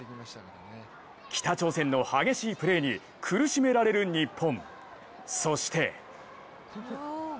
北朝鮮の激しいプレーに苦しめられる日本。